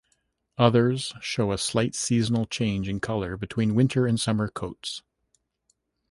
Others show a slight seasonal change in colour between winter and summer coats.